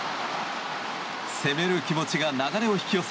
攻める気持ちが流れを引き寄せ